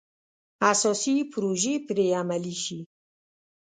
اساسي پروژې پرې عملي شي.